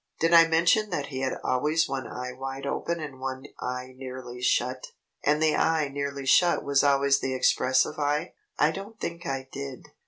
Did I mention that he had always one eye wide open and one eye nearly shut; and the eye nearly shut was always the expressive eye? I don't think I did.